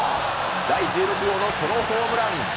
第１６号のソロホームラン。